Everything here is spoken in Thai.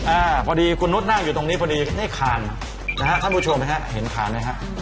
อ่าพอดีคุณนุษย์นั่งอยู่ตรงนี้พอดีนี่คานนะครับท่านผู้ชมนะครับเห็นคานนะครับ